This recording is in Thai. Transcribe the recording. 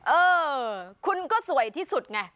เออคุณก็สวยที่สุดไง